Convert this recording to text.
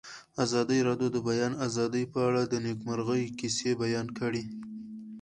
ازادي راډیو د د بیان آزادي په اړه د نېکمرغۍ کیسې بیان کړې.